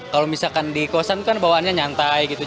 kalau misalkan di kosan kan bawahannya nyantai gitu